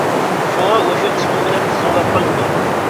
شۇڭا مۇشۇ ئىسىم بىلەن تىزىملاتقان ئىدىم.